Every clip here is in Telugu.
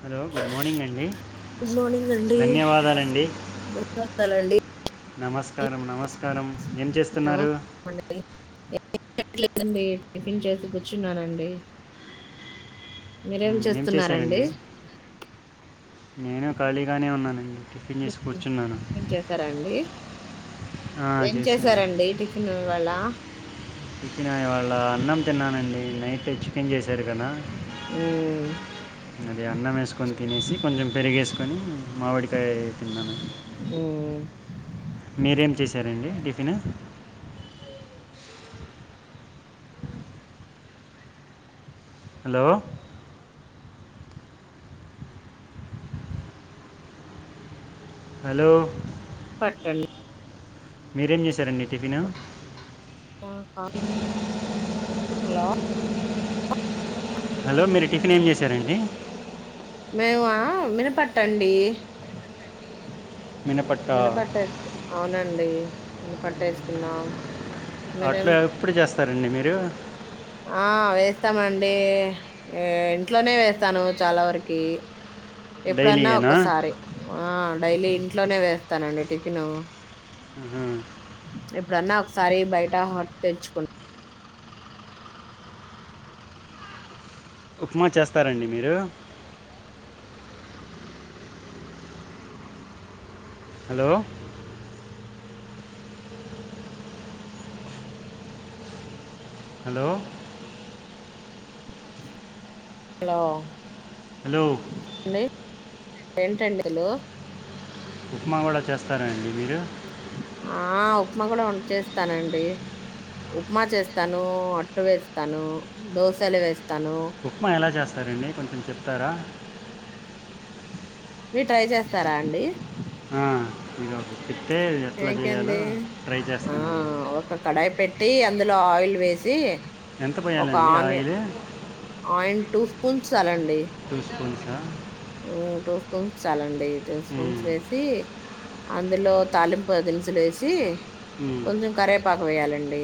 హలో గుడ్ మార్నింగ్ అండి గుడ్ మార్నింగ్ అండి ధన్యవాదాలండి ధన్యవాదాలు అండి, నమస్కారం నమస్కారం ఏం చేస్తున్నారు, నమస్కారం అండి లేదండి టిఫిన్ చేసి కూర్చున్నానండి, మీరేం మ్మ్, ఏం చేస్తున్నారండి, చేశారండి నేను ఖాళీగానే ఉన్నానండి, టిఫిన్ చేసి కూర్చున్నాను ఏం చేసారా అండి, ఆ, ఏం చేశానండి చేసారండి టిఫిన్ ఇవాళ, టిఫిన్ ఇవాళ, అన్నం తిన్నానండి నైట్, చికెన్ చేసా, ఎరుకన మ్మ్, అది అన్నం వేసుకుని తినేసి కొంచెం పెరిగేసుకొని మామిడి, టే తిన్నాను, మ్మ్. మీరేం చేశారండి టిఫిన్ ను, హలో హలో పట్టండి మీరే ఏమ్, చేసారు అండి టిఫిన్, హలో హలో మీరు టిఫిన్ ఏం చేశారండి, మేము వినప అట్టు అండి, మినపట్ట వినపట్టే అవునండి, మినప అట్టు వేసుకున్నాం, మీరేం అట్లా ఎప్పుడ్ చేస్ స్తారండీ మీరు ఆ వేస్తామండి ఇంట్లోనే వేస్తాను చాలా వరకి ఎప్పుడన్నా డైలీయేనా ఒక్కసారి ఆ డైలీ ఇంట్లోనే వేస్తానండి టిఫిన్, ఆహా. ఎప్పుడన్నా ఒకసారి బయట హట్ తెచ్చుకున్ ఉప్మా చేస్తారండి మీరు హలో హలో హలో హలో అండి ఏంటండి హాలో ఉప్మా కూడా చేస్తార అండి మీరు ఆ ఉప్మా కూడా చేస్తానండి ఉప్మా చేస్తా, ను అట్టు వేస్తాను, దోశలు వేస్. ఉప్మా ఎలా చేస్తారండి కొంచెం చెప్ త్తర మీర్ ట్రై చేస్తారా అండి ఆ ఇ ఏంకంది ఆ చేస్తానండి ఒక కడాయి పెట్టి కట్టి అందులో ఆయిల్ వేసి ఎంత ఒక పోయాలండి ఆని ఆయిల్ ఆయి పుంచ్ చాలండి పస్కు ఆ టూ చాలా ఉండయి ల్ స్పూన్స్ ఉమ్, వేసి అందులో తాలింపు దనుసులు వేసి ఉమ్, కొంచం కర పాకవేయాల అ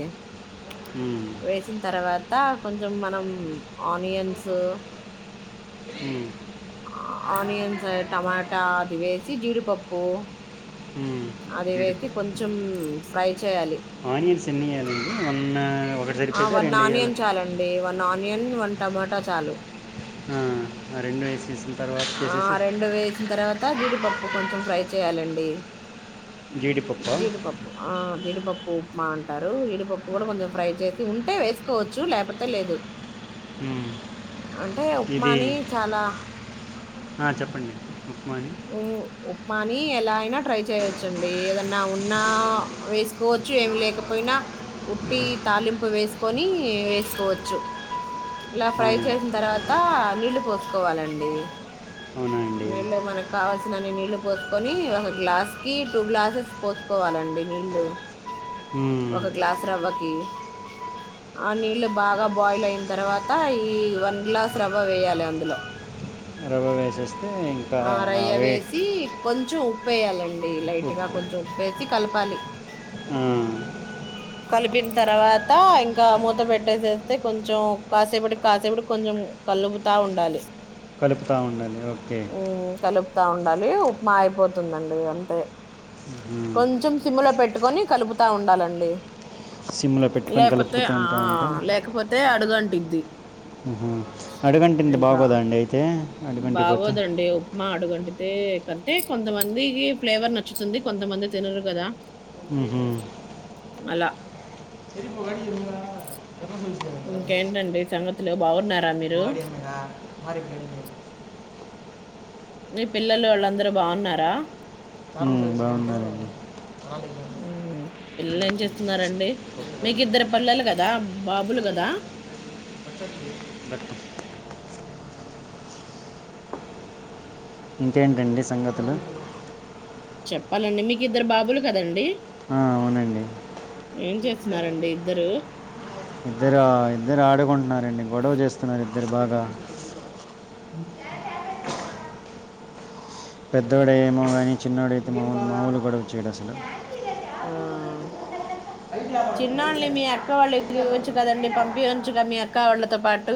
ఉమ్, వేసిన తర్వాత అంత కొంచెం మనం ఆనియన్స్ ఉమ్, ఆనియన్స్ టమాటా అది వేసి జీడిపప్పు ఉమ్. అది వేసి కొంచెం ఫ్రై చేయాలి ఆనియన్స్ ఎన్ని అ ఉన్న ఆ వ నాణ్యంచాలండి వ నా నియన్ వన్ టమోటా చాలు హ్మ్ ఆ రెండు వేసేసిన తర్వాత చేసేసి అ జీడిపప్పు కొంచెం ఫ్రై చేయాలండి జీడిపప్పు జీడిపప్పు ఆ జీడిపప్పు ఉప్మా అంటారు జీడిపప్పు కూడా కొంచెం ఫ్రై చేసి ఉంటే వేసుకోవచ్చు లేకపోతే లేదు ఉమ్. అంటే ఇది ఉప్మాని చాలా ఆ చెప్పండి ఉప్మాని ఉ ఉప్మాని ఎలా అయినా ట్రై చేయొచ్చండి ఏదన్నా ఉన్నా వేసుకోవచ్చు, ఏమి లేకపోయినా ఉట్టి తాలింపు వేసుకోని వేసుకోవచ్చు. ఇలా ఫ్రై అవునా చేసిన తర్వాత నీళ్ళు పోసు కోవాలండి అవునా అండి నీళ్ళ మనకు కావాల్సి నన్ని నీళ్ళు పోసుకొని ఒక గ్లాస్ కి టూ గ్లాసెస్ పోసుకోవాలండి నీళ్ళు, మ్మ్. ఒక గ్లాస్ రవ్వకి ఆ నీళ్ళు బాగా బాయిల్ అయిన తర్వాత ఈ వన్ గ్లాస్ రవ్వ వేయాలి అందులో, చేస్ ఆరయ్య వేసి కొంచెం ఉప్పేయాలం డి లైట్ గా ఉప్పు కొంచెం ఉప్పేసి కలపాలి ఆ, కలిపిన తర్వాత ఇంకా మూత పెట్టేసేస్తే కొంచెం కాసేపటికి కాసేపటి కొంచెం కలుపుతా ఉండాలి కలుపుతా ఉండాలీ ఓకే కలుపుతా ఉండాలి ఉప్మా అయిపోతుందండి అంతే మ్మ్. కొంచం సిమ్ లో పేట్ పెట్టుకొని కలుపుతా ఉండాలండి సిమ్లో పెట్టుకొని లేకపోతే కలుపుతూ ఆ ఉంటా లేకపోతే అడుగంటుద్ది ది ఊహు అడుగంటింది బాగోదా అండి అయితే అడుగంటిపోతే బాగోదండి ఉప్మా అడుగు కంటితే కంటే కొంతమందికి ఫ్లేవర్ నచ్చుతుంది కొంతమంది తినరు కదా ఉహు అలా ఇంకేంటండి సంగతులు బాగున్నారా మీరు మీ పిల్లలు వాళ్ళందరూ బాగున్నారా మ్ బాగున్నారండి మ్ పిల్లలు ఏం బాగున్నారండి చేస్తున్నరండి మీకిద్దరు పల్లలు కదా బాబులు కదా దట్టు. ఇంకేంటండి సంగతులు చెప్పాలండి మీకు ఇద్దరు బాబులు కదండి ఆ అవునండి ఏం చేస్తున్నారండి ఇద్దరు ఇద్దరు ఇద్దరు ఆడుకుంటున్నారండి గొడవ చేస్తున్నారు ఇద్దరు బాగా మ్మ్ పెద్దోడు ఏమో కానీ చిన్నోడైతే మా మాములు గొడవ చెయ్యడ్ అసలు ఆ చిన్నాని మీ అక్క వాళ్ళకియో కదండీ పంపియచు కదా మీ అక్క వాళ్ళతో పాటు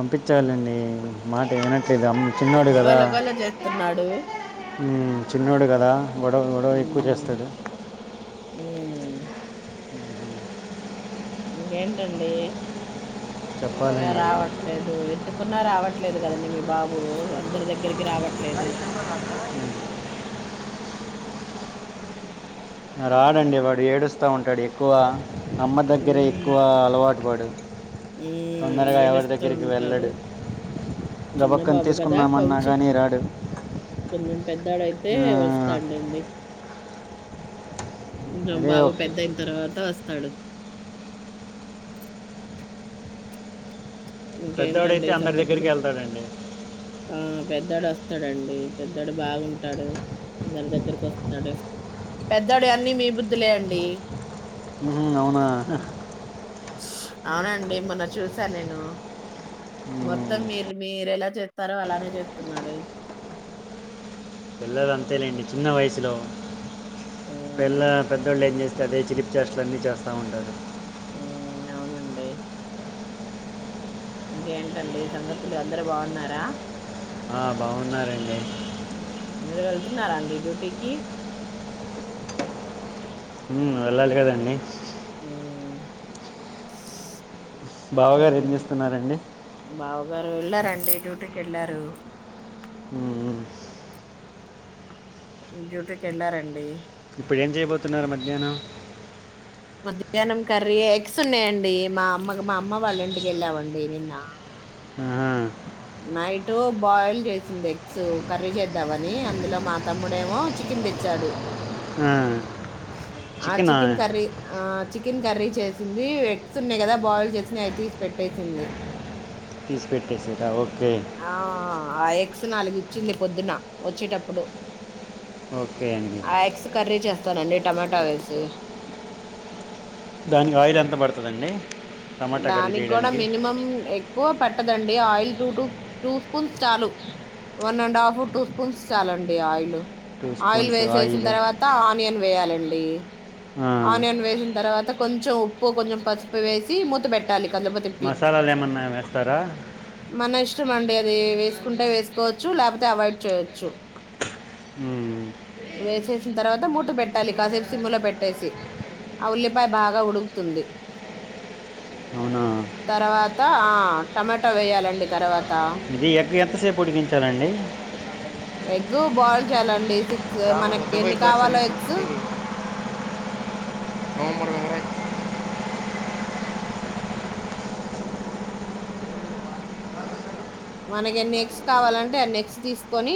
పంపించాలండి మాట ఏనక్ ద అమ్ చిన్నడు కదా గోల గోల చేస్తున్నాడు. చిన్నోడు కదా గొడవ గొడవ ఎక్కువ చేస్తాడు ఉ ఇంకెంటండి చెప్పాలండి రావట్లేదు ఎం కున్నా రావట్లేదు కదండీ మీ బాబు అందరి దగ్గరికి రావట్లేదు అవునా రాడండి వాడు ఏడుస్త ఉంటాడు ఎక్కువ అమ్మ దగ్గర ఎక్కువ అలవాటు వాడు ఉమ్ తొందరగా ఎవరి ఏడుస్తూ దగ్గరికి ఉంటాడు వెళ్ళడు చిన్న గబక్కని బాబు కదా తీసుకుందామన్నా కొంచెం కానీ రాడు కొంచెం పెద్దొడైతే ఆ, వస్తాడులెండి కొంచెం అదే బాబు పెద్దయ్ తర్వాత వస్తాడు ఇంకేంటండి పెద్దవాడైతే అందరి సంగతులు దగ్గరికి వెళ్తాడండి ఆ పె పెద్దోడు వస్తాడండి పెద్దోడు బాగుంటాడు అందరి దగ్గరికి వస్తాడు పెద్దోడు అన్ని మీ బుద్ధిలే అండి. ఉమ్ అవునా స్ అవునండి మొన్న చూశాను నేను ఉమ్, మొత్తం మీరు మీరెలా చేత్తరో అలానే చెత్తున్నాడు పిల్లలు అంతేలెండి చిన్న వయసులో మ్మ్ పెళ్ల పెద్దోళ్ళు ఏం చేస్ అదే చిలిపి చేష్టలన్నీ చేస్తుంటారు ఉమ్ అవునండి. ఏంటండీ సంగతులు అందరు బాగున్నారా ఆ బాగున్నారండి మీరు వెళ్తున్నారా అండి డ్యూటీకి ఉమ్ వెళ్ళాలి కదా అండి ఉమ్, బావగారు ఏం ఉమ్. చేస్తున్నారండి బావగారు వెళ్లారండి డ్యూటీ కి వెళ్లారు ఉమ్, డ్యూటీ కి వెళ్లారండి ఇప్పుడు ఏం చేయబోతున్నారు మధ్యాహ్నం మధ్యాహ్నం కరియా ఎక్స్ ఉన్నాయండి మా అమ్మ వాళ్ళ ఇంటికి వెళ్ళామండి నిన్న. ఆహా, నైటు బాయిల్ చేసింది ఎక్స్ కర్రి చేద్దామని అంతలో మా తమ్ముడేమో చికెన్ తెచ్చాడు. ఆ, ఆ చికెన్ కర్రీ ఆ చికెన్ కర్రీ చేసింది ఇవి ఎగ్స్ ఉన్నాయి కదా బాయిల్ చేసినవి అవి తీసి పెట్టేసింది తీసి పెట్టేసిందా ఓకే మ్మ్ ఆ [unintelligible] నాలుగు ఇచ్చింది పొద్దున వచ్చేటప్పుడు. ఓకే అండి ఆ ఎగ్స్ కర్రీ చేస్తానండి టమాటా వేసి దానికి ఆయిల్ ఎంత పడుతది అండి దానికి కూడా మినిమం ఎక్కువ పట్టదండి oil two two two spoons చాలు one and half two spoons చాలండి ఆయిలు టూ ఆయిల్ స్పూన్స్ వేసేసిన ఆయిల్ తర్వాత ఆనియన్ వేయాలన్ డి ఆ, ఆనియన్ వేసిన తర్వాత కొంచెం ఉప్పు కొంచెం పసుపు వేసి మూత పెట్టాలి కలుపు తిప్పి మసాలాలు ఏమన్నా వేస్తారా మన ఇష్టం అండి అది వేసుకుంటే వేసుకోవచ్చు ల్యాకపోతే అవాయిడ్ చెయ్యొచ్చు హ్మ్ వేసేసిన తర్వాత మూత పెట్టాలి కాసేపు సిమ్ములో పెట్టేసి ఆ ఉల్లిపాయ బాగా ఉడుకుతుంది. అవునా తర్వాత ఆ టమాటా వేయాలి అండి ఆ తర్వాత త ఇది ఎంతసేపు ఉడికించాలండి ఎగ్గు బాయిల్ చేయాలండి సిక్స్ మనకి ఎన్ని కావాలో ఎగ్స్ డు మనకి ఎన్ని ఎగ్స్ కావాలంటే అన్ని ఎగ్స్ తీసుకొని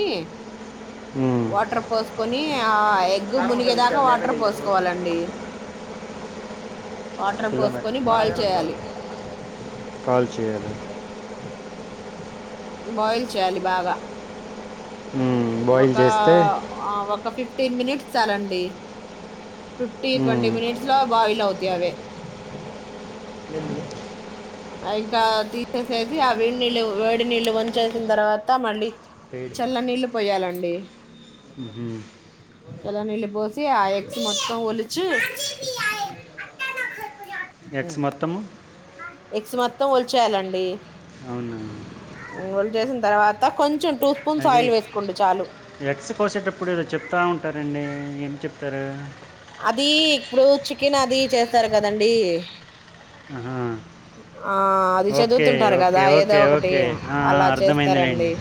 మ్మ్. వాటర్ ఫల్స్ కొని ఎగ్ మునిగేదాకా వాటర్ పోసుకోవాలండి వాటర్ కిలోమీటర్ పోసుకొని బాయిల్ చేయాలి చేరి బాయిల్ చేయాలి బాగా మ్మ్. బాయిల్ ఒక చేస్తే ఒక ఫిఫ టెన్ మినిట్స్ చాలండి ఫిఫ్టీ ట్వంటీ మ్మ్. మనిట్స్ లో బాయిల్ అవుది అదే ఇంకా తీసేసేసి ఆ వేడి నీళ్ళు వేడి నళ్ళు వంచేసిన తర్వాత మళ్ళీ చల్లనీళ్ళు పోయాలండి మ్మ్. చల్లనీళ్ళు పోసి ఆ ఎగ్స్ మొత్తం ఒలిచి ఎగ్స్ మొత్తం ఎగ్స్ మొత్తం వలిచేయాలండి అవునా వలిచేసిన తర్వాత కొంచెం టూ స్పూన్స్ అది ఆయిల్ వేసుకోండి చాలు ఎక్స్ కోసేటప్పుడు ఏదో చెప్తా ఉంటారంండి ఏం చెప్ త అది ఇప్పుడు చికెన్ అది చేస్తారు కదండీ ఆ ఆ అది చదువుతుంటారు ఓకే కదా ఏదో ఓకే ఒకటి ఓకే ఆ, అలా చేస్తారండి అర్థమైందిలేండి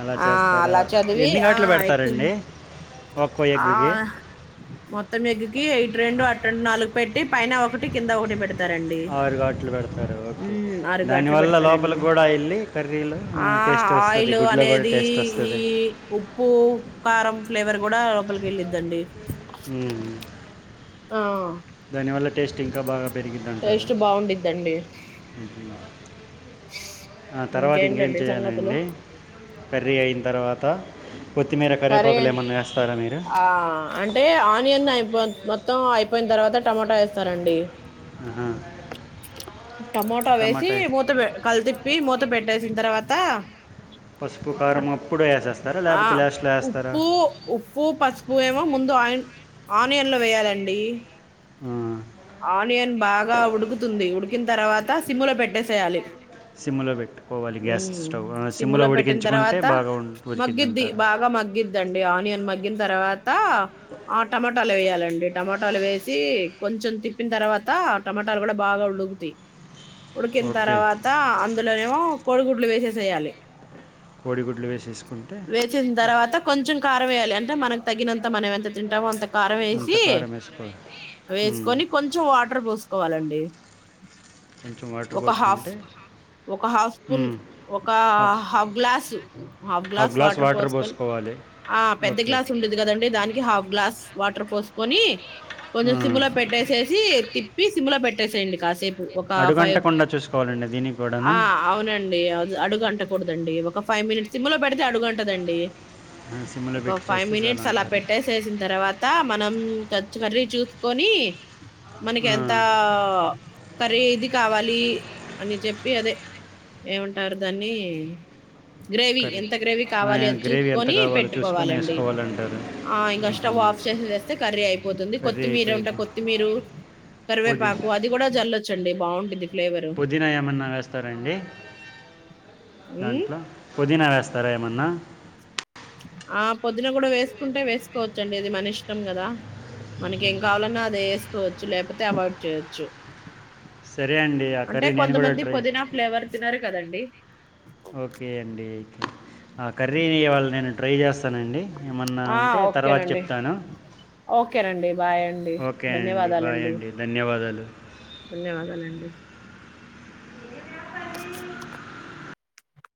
అలా ఆ చేస్తారా అలా చదివి ఎన్ని ఆ ఘాట్లు ఎంది పెడతారండి ఒక్కో ఎగ్ కి మొత్తం ఎగ్కి ఎయిట్ రెండు అ రెండు నాలుగు పెట్టి పైన ఒకటి కింద ఒకటి పెడుంది ఆరు గట్లు పెడతారు ఓకే ఉమ్ ఆరు గాట్లు దానివల్ల లోపల పెడతారండి కూడా వెళ్ళి కర్రీలు ఆ టేస్ట్ వస్తుంది ఆయిల్ గుడ్లో కూడా అనేది టేస్ట్ ఈ వస్తుంది ఉప్పు కారం ఫ్లేవర్ కూడా లోపలికి వెళ్ళిద్దండి హ ఆ దాని వల్ల టేస్ట్ ఇంకా బాగాంది పెరిగిందంటాడు టేస్ట్ బాగుండిద్దండి తర్వాత ఇంకేం ఇంకేంటండి సంగతులు చేయాలండి కర్రీ అయిన తర్వాత కొత్తిమీర కర్రీ కరేపకలు ఏమన్నా వేస్తారా మీరు ఆ అంటే ఆనియన్ అయిపో మొత్తం అయిపోయిన తర్వాత టమాటా వేస్తారండి ఆహా. టమోటా వేసి టమాటా మూతం కల్త ప్పి మూత పెట్టేసిన తర్వాత పసుపు కారం అప్పుడు వేసేస్తారా లేకపోతే లే ఒప్పో ఒప్పో ప నువ్వేమో ముందు ఆ ఆనియన్లో వేయాలండి ఆ. ఆనియన్ బాగా ఉడుకుతుంది ఉడికిన తర్వాత సిమ్లో పెట్టేసేయాలి సిమ్లో పెట్టుకోవాలి గ్యాస్ ఉమ్ స్టవ్ సిమ్లో సిమ్ములో పెట్టిన ఉడికించుకుంటే తర్వాత బాగా మగ్గిద్ది ఉడికిందింటారు బాగా మగ్గిద్దండి ఆనియన్ మగ్గిన తర్వాత ఆ టమోటాలు వేయాలండి టమోటాలు వేసి కొంచెం తిప్పిన తర్వాత టమాటాలు కూడా బాగా ఉడుకుతాయి ఉడికిన ఓకే తర్వాత అ అందులోనేమో కోడిగుడ్లు వేసేసేయాలి కోడిగుడ్లు వేసేసుకుంటే వేసిన తర్వాత కొంచెం కారం వేయాలి అంట మనగ తగినంత మవ అంత తింటా అంత కారం వేసి అంతకారం వేసుకో వేసుకొని కొంచెం వాటర్ పోసుకోవాలండి కొంచెం వాటర్ ఒక హాఫ్ పోసుకుంటే ఒక హాఫ్ స్పూన్ ఉమ్, ఒక half glass half glass water పోసుకొని పెద్ద ఓకే గ్లాస్ ఉండది కదండి దానికి హాఫ్ గ్లాస్ వాటర్ పోసుకొని ఆ, కొంచం సిమ్ లో పెట్టే స్ తిప్పి సిమ్ లో పెట్టేసేయండి కాసేప్ ఒక ఫైవ్ అడుగంటకుండా చూసుకోవాలండి దీనికి కూడానా ఆ అవునండి అ అడుగన్ అంటకూడదండి ఒక ఫైవ్ మినిట్స్ సిమ్ లో పెడితే అడుగంటదండి. ఆ, సిమ్లో ఒక పెట్టి ఫైవ్ చేస్తే చాలా మినిట్స్ అలా అంటారు పెట్టేసేసిన తర్వాత మనం టచ్ కర్రీ చూసుకొని మనకి ఆ, ఎంత ఆ కర్రీ ఇది కావాలి అని చెప్పి, అదే ఏమంటారు దాన్ని. గ్రేవీ కర్రీ ఎంత గ్రేవీ ఆ, కావాలి అది గ్రేవీ ఎంత చూసుకొని కావాలో చూసుకొని పెట్టుకోవాలండి. వేసుకోవాలంటారు ఆ ఇంకా స్టవ్ ఆఫ్ చేసిదిేస్తే కర్రీ అయిపోతుంది కర్రీ కొత్తిమీర ఉంటే అయిపోయింది కోత్. మీరు పోది కరివేపాకు అది కూడా జల్లొచ్ చండి బాగుంటది పుదీనా ఏమన్నా వేస్తారండి దాంట్లో పుదీనా వేస్తారా ఏ మన్నా ఆ పొదున కూడా వేసుకుంటే వేసుకోవచ్చుండి, అది మన ఇష్టం కదా, మనకి ఏం కావాలన్నా అద్ వేసుకోవచ్చు, లేకపోతే అవాయిడ్ చేయచ్చు. సరే అండి ఆ కరీ నేను కూడాటీ పుదీనా ఫ్లేవర్ తినరు కదండి కర్రీనియ వాళ్ళు నేను ట్రై చేస్తాను వస్తానండి ఏమన్నా ఆ ఉంటే తర్వాత చెప్తాను రడి బాయ్ అండి ఓకే అండి బాయ్ ధన్యవాదాలండి అండి ధన్యవాదాలు ధన్యవాదాలండి అడి